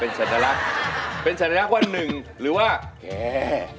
เป็นสัญลักษณ์ว่า๑หรือว่าแก